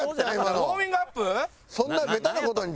ウォーミングアップ？